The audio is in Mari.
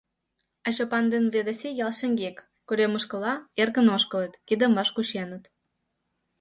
А Чопан ден Ведаси ял шеҥгек, коремышкыла, эркын ошкылыт, кидым ваш кученыт.